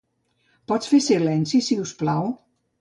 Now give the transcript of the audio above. Pots fer silenci, si us plau?